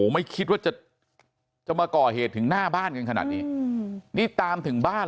ไม่คิดว่าจะจะมาก่อเหตุถึงหน้าบ้านกันขนาดนี้นี่ตามถึงบ้าน